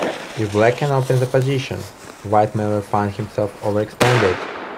If Black can open the position, White may well find himself overextended.